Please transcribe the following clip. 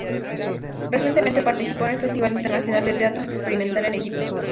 Recientemente participó en el Festival Internacional de Teatro Experimental en Egipto.